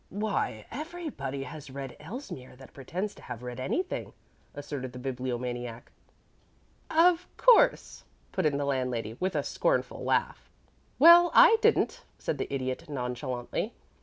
"Why, everybody has read Elsmere that pretends to have read anything," asserted the Bibliomaniac. "Of course," put in the landlady, with a scornful laugh. "Well, I didn't," said the Idiot, nonchalantly.